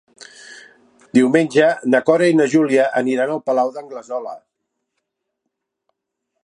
Diumenge na Cora i na Júlia aniran al Palau d'Anglesola.